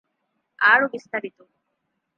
আরো বিস্তারিত-